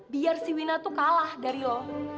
biar si wina tuh kalah dari lo